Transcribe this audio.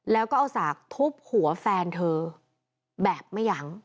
แล้วก็เอาสากทุบหัวแฟนเธอแบบไม่ยั้ง